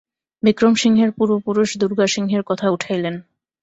বিক্রমসিংহের পূর্বপুরুষ দুর্গাসিংহের কথা উঠাইলেন।